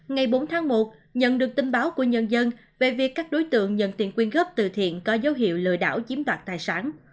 ngày bốn tháng một nhận được tin báo của nhân dân về việc các đối tượng nhận tiền quyên góp từ thiện có dấu hiệu lừa đảo chiếm đoạt tài sản